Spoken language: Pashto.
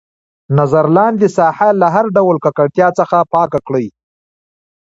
نظر لاندې ساحه له هر ډول ککړتیا څخه پاکه کړئ.